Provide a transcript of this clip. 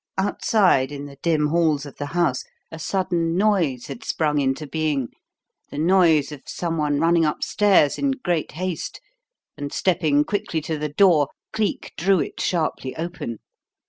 Outside in the dim halls of the house a sudden noise had sprung into being, the noise of someone running upstairs in great haste, and, stepping quickly to the door, Cleek drew it sharply open.